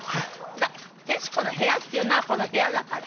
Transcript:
だから『徹子の部屋』っていうのはこの部屋だから。